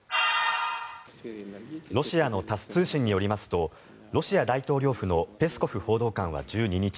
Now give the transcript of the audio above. ロシアのタス通信によりますとロシア大統領府のペスコフ報道官は１２日